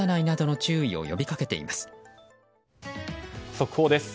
速報です。